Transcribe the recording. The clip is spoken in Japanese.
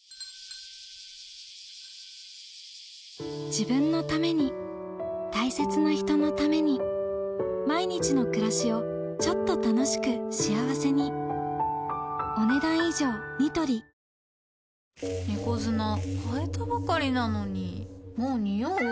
自分のために大切な人のために毎日の暮らしをちょっと楽しく幸せに猫砂替えたばかりなのにもうニオう？